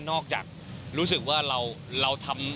จากรู้สึกว่าเราทำ